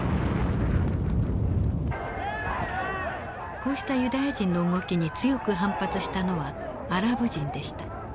こうしたユダヤ人の動きに強く反発したのはアラブ人でした。